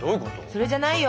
それじゃないよ。